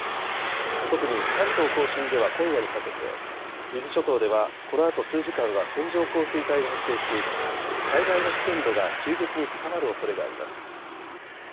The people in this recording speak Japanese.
特に関東甲信では今夜にかけて、伊豆諸島ではこのあと数時間は線状降水帯が発生し災害の危険度が急激に高まるおそれがあります。